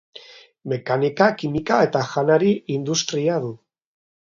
Mekanika-, kimika- eta janari-industria du.